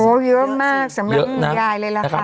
เยอะมากสำหรับยายเลยล่ะค่ะ